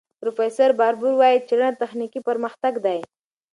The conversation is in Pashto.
پروفیسور باربور وايي، څېړنه تخنیکي پرمختګ دی.